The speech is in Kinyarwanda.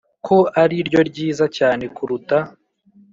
Ko ari ryo ryiza cyane kuruta